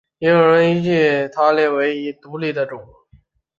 也有人依据其特化的体色而主张把它列为一个独立的种。